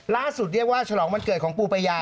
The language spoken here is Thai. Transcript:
เรียกว่าฉลองวันเกิดของปูปายา